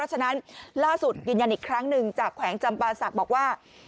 ฉะนั้นล่าสุดยืนยันอีกครั้งหนึ่งจากแขวงจำปาศักดิ์บอกว่า